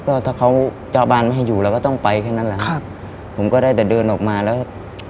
ก็ถ้าเขาเจ้าบ้านไม่ให้อยู่เราก็ต้องไปแค่นั้นแหละครับผมก็ได้แต่เดินออกมาแล้ว